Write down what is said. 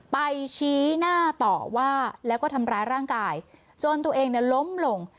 ชี้หน้าต่อว่าแล้วก็ทำร้ายร่างกายจนตัวเองเนี่ยล้มลง